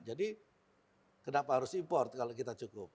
jadi kenapa harus impor kalau kita cukup